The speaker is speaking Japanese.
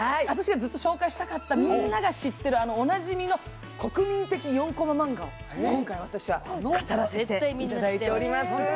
私がずっと紹介したかったみんなが知ってるおなじみの国民的４コママンガを今回私は語らせていただいております